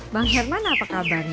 bang herman apa kabarnya